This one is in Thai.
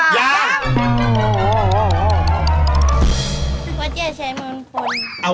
วัดใหญ่ชายเมืองคน